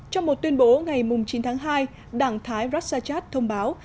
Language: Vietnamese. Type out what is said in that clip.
trong một tuyên bố ngày chín tháng hai đảng thái raksat thông báo